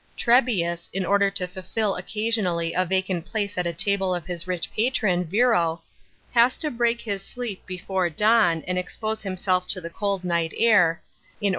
Trebius, in order to fill occasionally a vacant place at the table of his rich patron, Virro, has to break his sleep before dawn and expose himself to the cold night air, in order * Juvenal, iv.